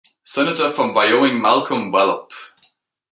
Senator from Wyoming Malcolm Wallop.